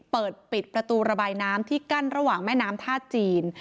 เปิดปิดประตูระบายน้ำที่กั้นระหว่างแม่น้ำท่าจีน